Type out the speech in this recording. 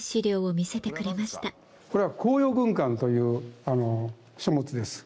これは「甲陽軍鑑」という書物です。